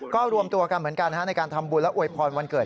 ก็รวมตัวกันเหมือนกันในการทำบุญและอวยพรวันเกิด